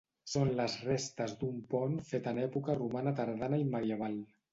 Són les restes d'un pont fet en època romana tardana i medieval.